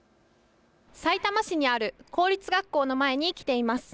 さいたま市にある公立学校の前に来ています。